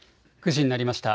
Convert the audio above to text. ９時になりました。